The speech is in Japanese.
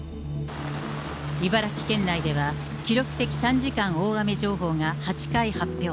茨城県内では記録的短時間大雨情報が８回発表。